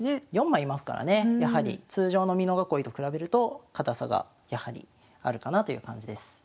４枚居ますからねやはり通常の美濃囲いと比べると堅さがやはりあるかなという感じです。